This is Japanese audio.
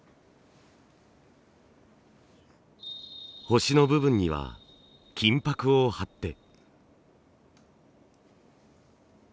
星の部分には金箔を貼って。